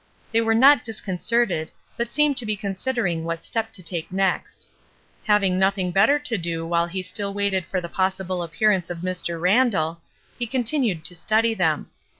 They were not disconcerted, but seemed to be considering what step to take next. Having nothing bet AN EMINENTLY SENSIBLE PERSON 401 ter to do while he still waited for the possible appearance of Mr. Randall, he continued to study them.